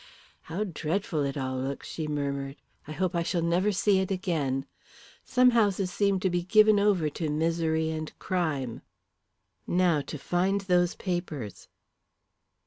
"How dreadful it all looks!" she murmured. "I hope I shall never see it again. Some houses seem to be given over to misery and crime. Now to find those papers."